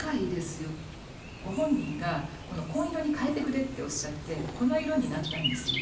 ご本人がこの紺色に変えてくれとおっしゃってこの色になったんですよ。